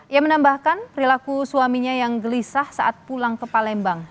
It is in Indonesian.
ia menambahkan perilaku suaminya yang gelisah saat pulang ke palembang